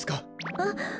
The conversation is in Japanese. あっ！